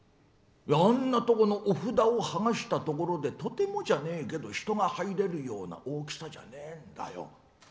あんなところのお札をはがしたところでとてもじゃねえけど人が入れるような大きさじゃねえんだよ。